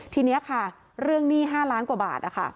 ทีนี้ค่ะเรื่องหนี้๕ล้านกว่าบาทนะคะ